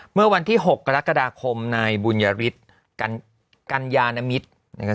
เมื่อวันที่๖กรกฎาคมในบุญยฤทธิ์กัญญามิตร